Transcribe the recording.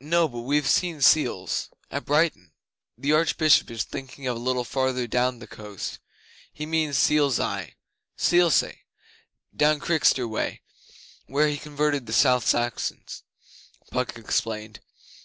'No but we've seen seals at Brighton.' 'The Archbishop is thinking of a little farther down the coast. He means Seal's Eye Selsey down Chichester way where he converted the South Saxons,' Puck explained.